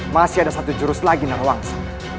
masih ada satu jurus lagi narawangsa